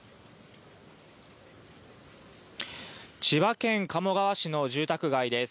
千葉県鴨川市の住宅街です。